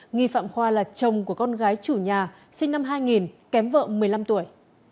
nghi phạm khoa là chồng của con gái chủ nhà sinh năm hai nghìn kém vợ một mươi năm tuổi